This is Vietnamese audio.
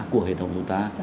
của hệ thống nhà nước